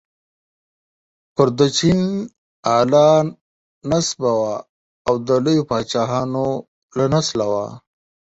کردوچین اعلی نسبه وه او د لویو پاچاهانو له نسله وه.